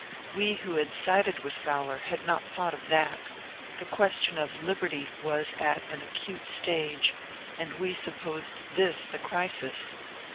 We who had sided with Fowler had not thought of that; the question of ^* liberty " was at an acute stage, and we supposed this the crisis.